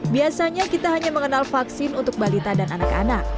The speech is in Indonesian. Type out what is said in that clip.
biasanya kita hanya mengenal vaksin untuk balita dan anak anak